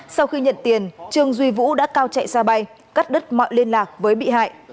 sau khi nhận tiền trương duy vũ đã cao chạy ra bay cắt đứt mọi liên lạc với bị hại